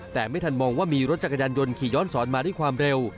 แต่ไม่ทันมองว่ามีรถจักรยานยนต์ขี่ย้อนสอนมาด้วยความเร็ว